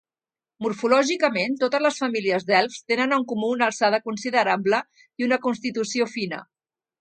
Morfològicament, totes les famílies d'elfs tenen en comú una alçada considerable i una constitució fina.